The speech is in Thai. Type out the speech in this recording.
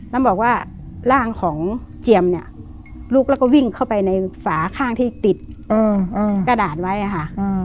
แล้วบอกว่าร่างของเจียมเนี่ยลุกแล้วก็วิ่งเข้าไปในฝาข้างที่ติดกระดาษไว้ค่ะ